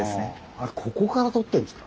あれここから撮ってんですか。